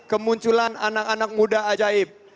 kemunculan anak anak muda ajaib